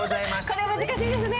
これ難しいですね。